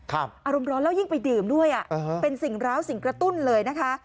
อารมณ์ร้อนแล้วยิ่งไปดื่มด้วยเป็นสิ่งร้าวสิ่งกระตุ้นเลยนะคะ